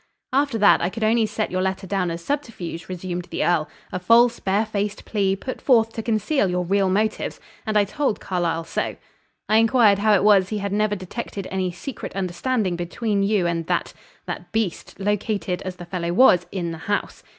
"After that I could only set your letter down as a subterfuge," resumed the earl "a false, barefaced plea, put forth to conceal your real motives, and I told Carlyle so. I inquired how it was he had never detected any secret understanding between you and that that beast, located, as the fellow was, in the house.